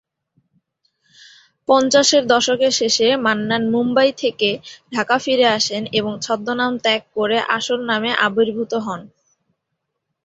পঞ্চাশের দশকের শেষে মান্নান মুম্বই থেকে ঢাকা ফিরে আসেন এবং ছদ্মনাম ত্যাগ করে আসল নামে আবির্ভূত হন।